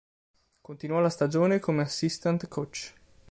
Continuò la stagione come assistant coach.